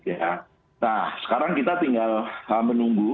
nah sekarang kita tinggal menunggu